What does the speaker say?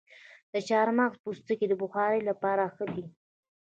د چارمغز پوستکي د بخارۍ لپاره ښه دي؟